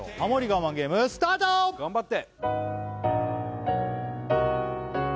我慢ゲームスタート頑張って！